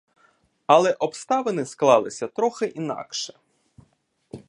Але обставини склалися трохи інакше.